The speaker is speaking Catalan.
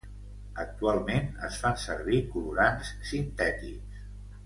Actualment es fan servir colorants sintètics.